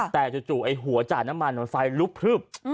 แต่จู่ไอ้หัวจ่ายน้ำมันมันไฟลุบ